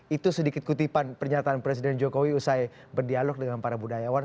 itu sedikit kutipan pernyataan presiden jokowi usai berdialog dengan para budayawan